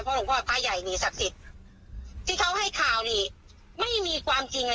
เพราะหนูพูดว่าพระใหญ่มีศักดิ์สิทธิ์ที่เขาให้ข่าวนี่ไม่มีความจริงเลยอ่ะ